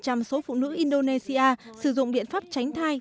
khoảng năm mươi số phụ nữ indonesia sử dụng biện pháp tránh thai